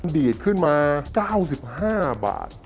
ดีดขึ้นมา๙๕บาท